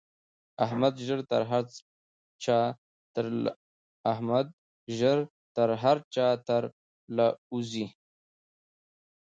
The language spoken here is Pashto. احمد ژر تر هر چا تر له وزي.